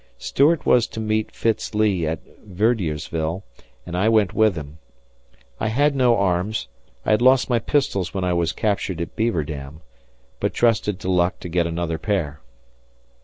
Stuart was to meet Fitz Lee at Verdiersville, and I went with him. I had no arms I had lost my pistols when I was captured at Beaver Dam but trusted to luck to get another pair.